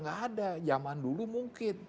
nggak ada zaman dulu mungkin